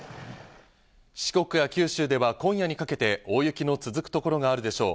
四国や九州では今夜にかけて大雪の続く所があるでしょう。